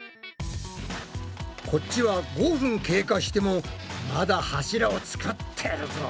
こっちは５分経過してもまだ柱を作ってるぞ。